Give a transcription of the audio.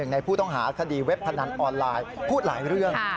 ในผู้ต้องหาคดีเว็บพนันออนไลน์พูดหลายเรื่อง